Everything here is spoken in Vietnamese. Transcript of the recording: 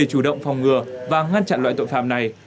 chủ động phòng ngừa và ngăn chặn loại tội phạm này